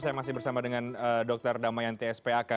saya masih bersama dengan dokter damayan t s p aka